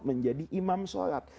menjadi imam sholat